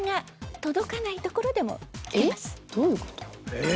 えっ？